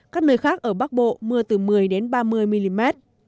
các nơi khác ở bắc bộ mưa từ một mươi ba mươi mm